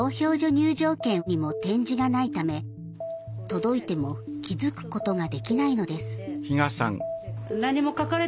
入場券にも点字がないため、届いても気付くことができないのです。